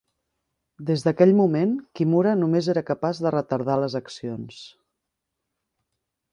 Des d'aquell moment, Kimura només era capaç de retardar les accions.